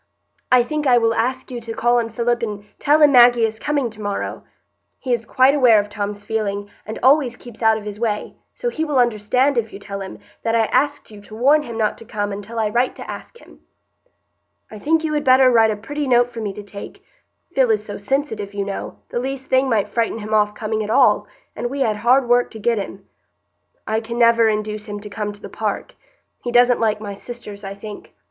I think I will ask you to call on Philip and tell him Maggie is coming to morrow. He is quite aware of Tom's feeling, and always keeps out of his way; so he will understand, if you tell him, that I asked you to warn him not to come until I write to ask him." "I think you had better write a pretty note for me to take; Phil is so sensitive, you know, the least thing might frighten him off coming at all, and we had hard work to get him. I can never induce him to come to the park; he doesn't like my sisters, I think.